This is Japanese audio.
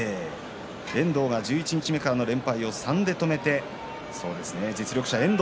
遠藤は十一日目からの連敗を止めて実力者。